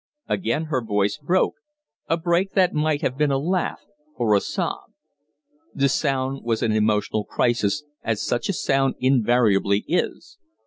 Again her voice broke a break that might have been a laugh or a sob. The sound was an emotional crisis, as such a sound invariably is.